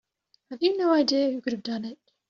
Have you no idea who could have done it?